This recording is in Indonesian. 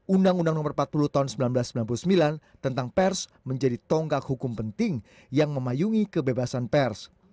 undang undang nomor empat puluh tahun seribu sembilan ratus sembilan puluh sembilan tentang pers menjadi tonggak hukum penting yang memayungi kebebasan pers